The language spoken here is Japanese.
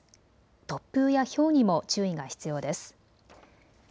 突風やひょうにも注意が必要です。